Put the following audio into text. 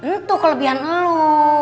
ntuh kelebihan lo